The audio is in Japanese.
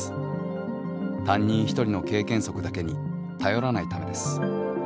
担任１人の経験則だけに頼らないためです。